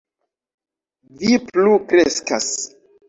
Vi plu kreskas.